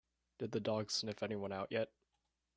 Did the dog sniff anyone out yet?